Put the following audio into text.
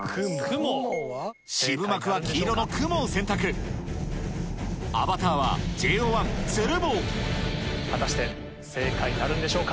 渋幕は黄色の雲を選択アバターはＪＯ１・鶴房果たして正解なるんでしょうか？